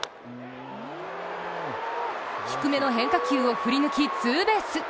低めの変化球を振り抜きツーベース。